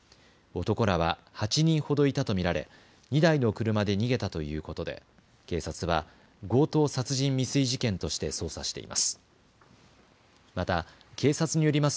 男らは８人ほどいたと見られ２台の車で逃げたということで警察は強盗殺人未遂事件として捜査しています。